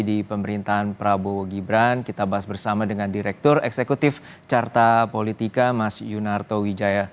di pemerintahan prabowo gibran kita bahas bersama dengan direktur eksekutif carta politika mas yunarto wijaya